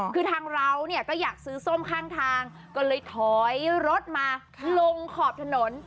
คือทางเราเนี่ยก็อยากซื้อส้มข้างทางก็เลยถอยรถมาลงขอบถนน